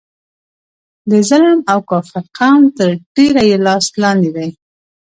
د ظلم او کافر قوم تر ډبره یې لاس لاندې دی.